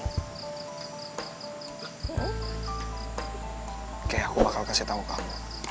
oke aku bakal kasih tahu kamu